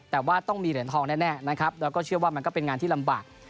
แต่ว่าต้องมีเหรียญทองแน่นะครับแล้วก็เชื่อว่ามันก็เป็นงานที่ลำบาก